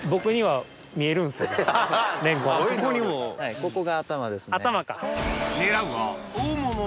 ここが頭ですね。